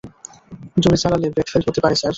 জোরে চালালে brake fail হতে পারে স্যার।